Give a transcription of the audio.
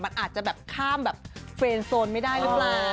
มันอาจจะแบบข้ามแบบเฟรนดโซนไม่ได้หรือเปล่า